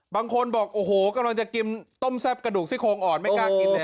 บางคนบอกโอ้โหกำลังจะกินต้มแซ่บกระดูกซี่โครงอ่อนไม่กล้ากินเลย